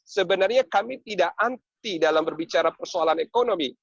sebenarnya kami tidak anti dalam berbicara persoalan ekonomi